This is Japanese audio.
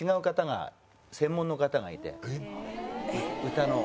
歌の。